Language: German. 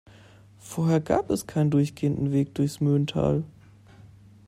Vorher gab es keinen durchgehenden Weg durchs Möhnetal.